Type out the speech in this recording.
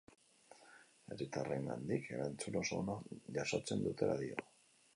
Herritarrengandik erantzun oso ona jasotzen dutela dio.